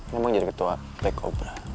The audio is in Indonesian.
memang jadi ketua black obra